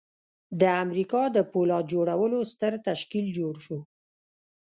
د امریکا د پولاد جوړولو ستر تشکیل جوړ شو